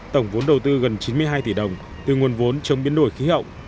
tổng vốn đầu tư gần chín mươi hai tỷ đồng từ nguồn vốn trong biến đổi khí hậu